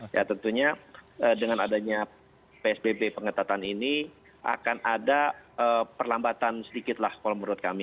ya tentunya dengan adanya psbb pengetatan ini akan ada perlambatan sedikit lah kalau menurut kami